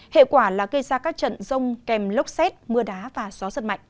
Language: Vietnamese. hệ quả là gây ra các trận rông kèm lốc xét mưa đá và gió giật mạnh